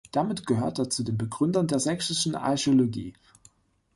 Damit gehört er zu den Begründern der sächsischen Archäologie.